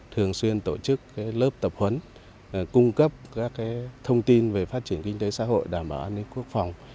thường xuyên tổ chức lớp tập huấn cung cấp các thông tin về phát triển kinh tế xã hội đảm bảo an ninh quốc phòng